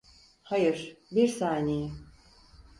Hayır, bir saniye.